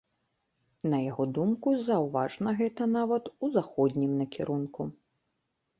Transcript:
На яго думку, заўважна гэта нават у заходнім накірунку.